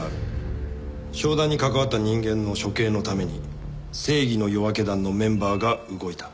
商談に関わった人間の処刑のために正義の夜明け団のメンバーが動いた。